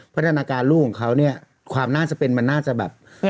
พัฒนาการลูกของเขาเนี่ยความน่าจะเป็นมันน่าจะแบบ